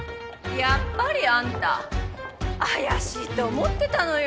やっぱりあんた怪しいと思ってたのよ。